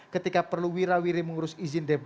ketika perlu wira wiri mengurus izin pengelolaan aset